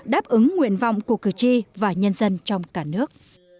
đáp ứng nguyện vọng của cử tri và nhân dân trong cả nước